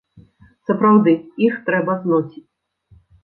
Сапраўды, іх трэба зносіць.